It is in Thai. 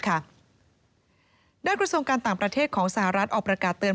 กระทรวงการต่างประเทศของสหรัฐออกประกาศเตือน